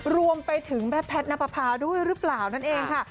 รวมไปถึงแม่แพทย์นับประพาด้วยหรือเปล่านั่นเองค่ะ